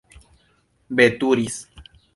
veturis